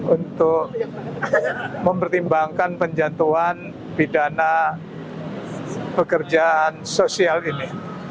untuk mempertimbangkan penjatuhan pidana pekerjaan sosial ini